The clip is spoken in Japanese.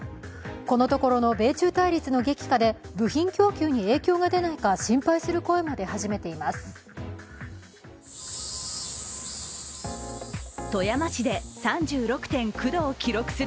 このところの米中対立の激化で部品供給に影響が出ないか心配する声も出始めています。